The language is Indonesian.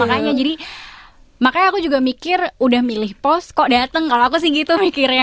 makanya jadi makanya aku juga mikir udah milih pos kok datang kalau aku sih gitu mikirnya